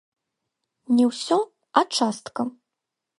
Не ўсё, а частка.